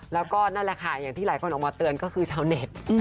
แล้วก็นั่นแหละค่ะอย่างที่หลายคนออกมาเตือนก็คือชาวเน็ต